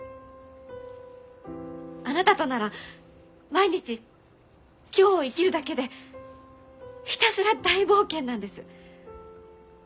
あなたとなら毎日今日を生きるだけでひたすら大冒険なんです。